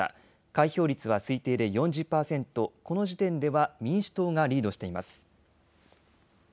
開票率は推定で４０％、この時点では民主党がリードしています。